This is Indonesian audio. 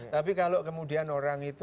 tapi kalau kemudian orang itu